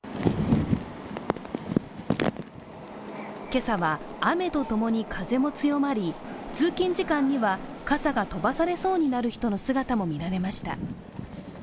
今朝は、雨とともに風も強まり通勤時間には傘が飛ばされそうになる人の姿も見られました。